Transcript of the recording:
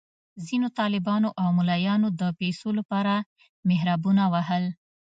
ځینو طالبانو او ملایانو د پیسو لپاره محرابونه وهل.